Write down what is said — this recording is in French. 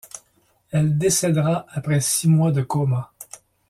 Elle décèdera après six mois de coma.